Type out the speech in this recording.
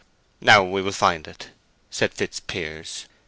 "Now we will find it," said Fitzpiers.